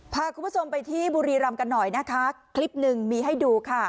พาคุณผู้ชมไปที่บุรีรำกันหน่อยนะคะคลิปหนึ่งมีให้ดูค่ะ